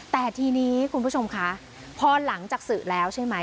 แต่ทีนี้คุณผู้ชมคะพอหลังจากสื่อแล้วใช่ไหม